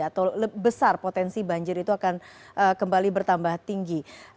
atau besar potensi banjir itu akan kembali bertambah tinggi